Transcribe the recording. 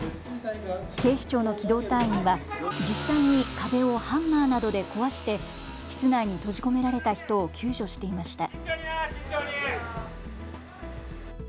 警視庁の機動隊員は実際に壁をハンマーなどで壊して室内に閉じ込められた人を救助していました。